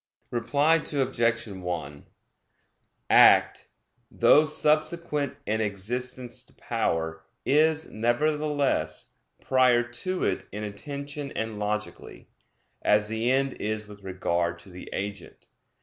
Reply Obj. 1: Act, though subsequent in existence to power, is, nevertheless, prior to it in intention and logically; as the end is with regard to the agent.